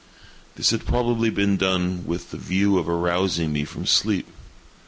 This had probably been done with the view of arousing me from sleep.